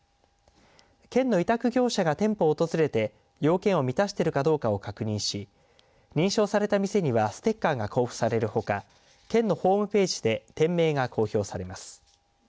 県の委託業者が店舗を訪れて要件を満たしているかどうかを確認し認証された店にはステッカーが交付されるほか県のホームページで店名が公表されます。